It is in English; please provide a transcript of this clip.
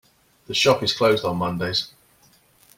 The shop is closed on Mondays.